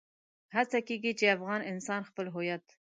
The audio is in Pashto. هڅه کېږي چې افغان انسان خپل هويت.